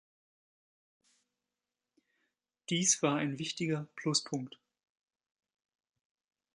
Dies war ein wichtiger Pluspunkt.